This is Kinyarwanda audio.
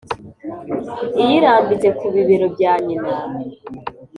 iyirambitse ku bibero bya nyina.